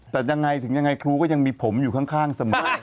แต่ยังไงถึงยังไงครูก็ยังมีผมอยู่ข้างเสมอ